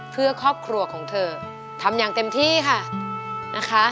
เพื่อครอบครัวของเธอทำอย่างเต็มที่ค่ะนะคะ